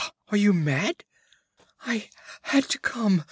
Are you mad!' 'I had to come!'